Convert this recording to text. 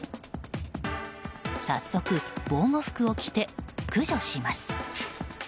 早速、防護服を着て駆除します。